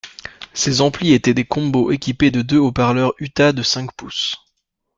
Ces amplis étaient des combos équipés de deux haut-parleurs Utah de cinq pouces.